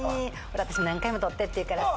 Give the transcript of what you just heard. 私何回も撮ってって言うからさ。